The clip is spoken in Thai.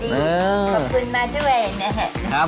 ขอบคุณมาด้วยนะครับ